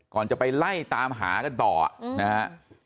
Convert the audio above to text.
ก่อนจะไปไล่ตามหากันต่อนะฮะ